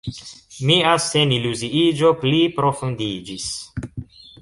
Mia seniluziiĝo pliprofundiĝis.